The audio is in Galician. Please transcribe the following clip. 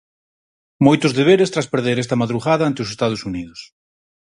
Moitos deberes tras perder esta madrugada ante os Estados Unidos.